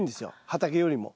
畑よりも。